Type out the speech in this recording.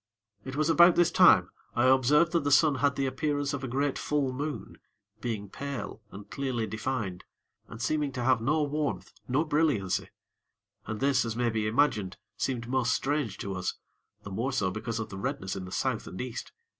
It was about this time, I observed that the sun had the appearance of a great full moon, being pale and clearly defined, and seeming to have no warmth nor brilliancy; and this, as may be imagined, seemed most strange to us, the more so because of the redness in the South and East.